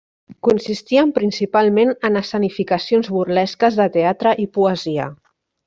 Consistien principalment en escenificacions burlesques de teatre i poesia.